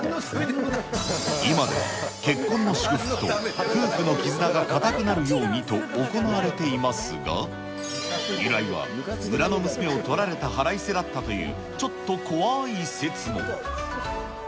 今では結婚の祝福と夫婦の絆が固くなるようにと、行われていますが、由来は村の娘を取られた腹いせだったという、ちょっと怖い説も。